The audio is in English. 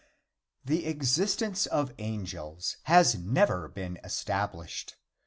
The existence of angels has never been established.